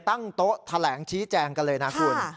ตั้งโต๊ะแถลงชี้แจงกันเลยนะคุณ